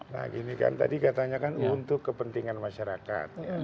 nah gini kan tadi katanya kan untuk kepentingan masyarakat